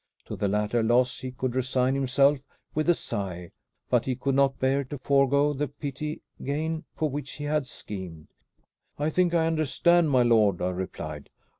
To the latter loss he could resign himself with a sigh; but he could not bear to forego the petty gain for which he had schemed. "I think I understand, my lord," I replied.